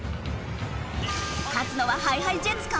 勝つのはＨｉＨｉＪｅｔｓか？